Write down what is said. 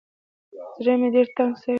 زړه مې ډېر تنګ سوى و.